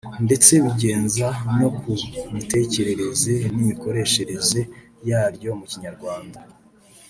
ndetse bingeza no ku mitekerereze n’imikoreshereze yaryo mu Kinyarwanda